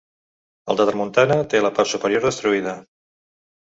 El de tramuntana té la part superior destruïda.